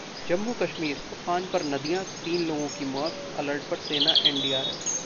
जम्मू-कश्मीर: उफान पर नदियां, तीन लोगों की मौत, अलर्ट पर सेना-एनडीआरएफ